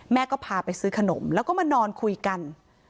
ก็พาไปซื้อขนมแล้วก็มานอนคุยกัน